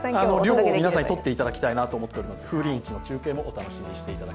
涼を皆さんにとっていただければと思います。